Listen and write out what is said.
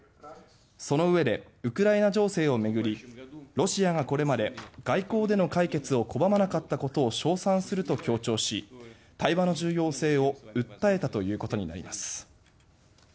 そのうえでウクライナ情勢をめぐりロシアがこれまで外交での解決を拒まなかったことを称賛すると強調し対話の重要性を訴えたということです。